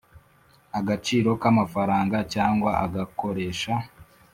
Agaciro k amafaranga cyangwa agakoresha